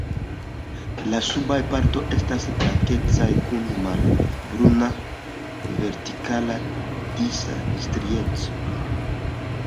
La subaj partoj estas blankecaj kun malhelbruna vertikala disa strieco.